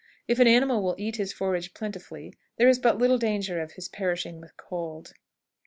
If an animal will eat his forage plentifully, there is but little danger of his perishing with cold.